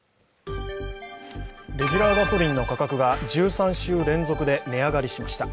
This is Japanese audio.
レギュラーガソリンの価格が１３週連続で値上がりしました。